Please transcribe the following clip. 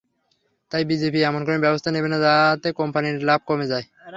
তাই বিজেপি এমন কোনো ব্যবস্থা নেবে না, যাতে কোম্পানির লাভ কমে যায়।